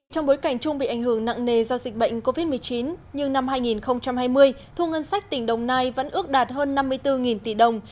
trong bối cảnh trung bị ảnh hưởng nặng nề do dịch bệnh covid một mươi chín nhưng năm hai nghìn hai mươi thu ngân sách tỉnh đồng nai vẫn ước đạt hơn năm mươi bốn tỷ đồng